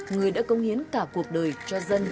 người đã công hiến cả cuộc đời cho dân